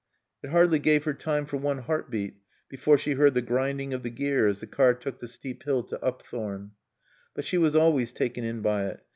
It hardly gave her time for one heart beat before she heard the grinding of the gear as the car took the steep hill to Upthorne. But she was always taken in by it.